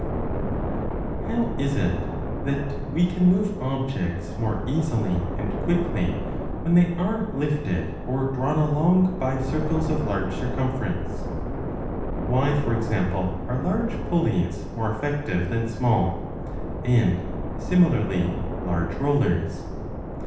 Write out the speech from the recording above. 8 52 a MECHANICA How is it that we can move objects more easily and 9 15 quickly when they are lifted or drawn along by circles of " large circumference ? Why, for example, are large pulleys more effective than small, and similarly large rollers